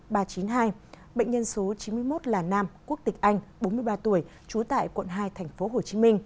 bệnh nhân số chín mươi một là nam quốc tịch anh bốn mươi ba tuổi trú tại quận hai tp hcm